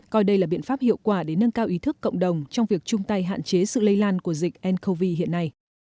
coi đây là biện pháp hiệu quả để nâng cao ý thức cộng đồng trong việc chung tay hạn chế sự lây lan của dịch ncov hiện nay